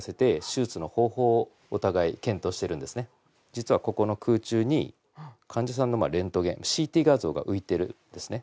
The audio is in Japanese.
実はここの空中に患者さんのレントゲンＣＴ画像が浮いてるんですね。